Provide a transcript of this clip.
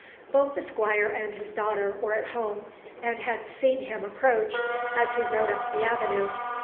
Both the Squire and his daughter were at home, and had seen him approach as he rode up the avenue.